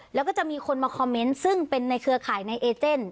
แล้วก็จะมีคนมาคอมเมนต์ซึ่งเป็นในเครือข่ายในเอเจน